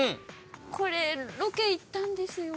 これロケ行ったんですよ。